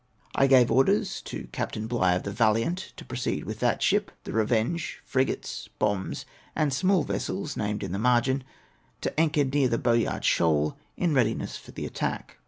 I gave orders to Capt. Bligh, of the Valiant, to proceed with that ship, the Revenge, frigates, bombs, and small vessels, named in the margin,* to anchor near the Bo^^art Shoal, in readiness for the attack.